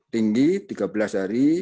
tinggi tiga belas hari